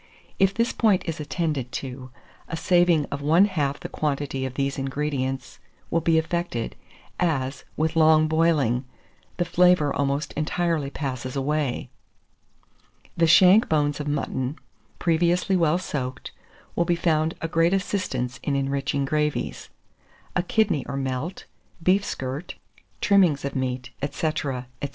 If this point is attended to, a saving of one half the quantity of these ingredients will be effected, as, with long boiling, the flavour almost entirely passes away. The shank bones of mutton, previously well soaked, will be found a great assistance in enriching gravies; a kidney or melt, beef skirt, trimmings of meat, &c. &c.